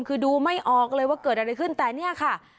คือดูไม่ออกเลยว่าเกิดอะไรขึ้นแต่เนี่ยค่ะ